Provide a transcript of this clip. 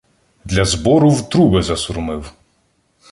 Для збору в труби засурмив.